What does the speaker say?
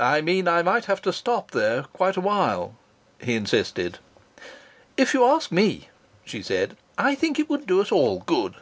"I meant I might have to stop there quite a while," he insisted. "If you ask me," she said, "I think it would do us all good."